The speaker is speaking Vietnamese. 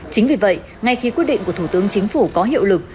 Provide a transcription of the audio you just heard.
chính vì vậy ngay khi quyết định của thủ tướng chính phủ có hiệu lực